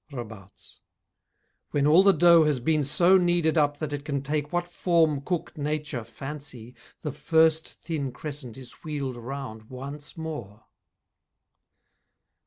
ROBARTES When all the dough has been so kneaded up That it can take what form cook Nature fancy The first thin crescent is wheeled round once more.